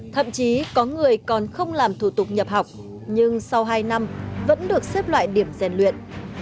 thậm chí có người còn không làm thủ tục nhập học nhưng sau hai năm vẫn được xếp loại điểm rèn luyện